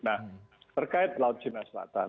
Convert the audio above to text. nah terkait laut cina selatan